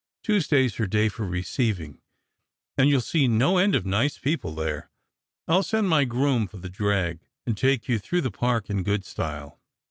Tuesday's her day for receiving, and you'll see no end of nice people there. I'll send my groom for the drag, and take you through the Park in good style."